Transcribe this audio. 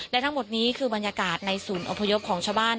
และทั้งหมดนี้คือบรรยากาศในศูนย์อพยพของชาวบ้าน